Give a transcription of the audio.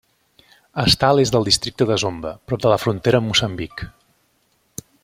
Està a l'est del Districte de Zomba, prop de la frontera amb Moçambic.